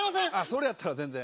それやったら全然。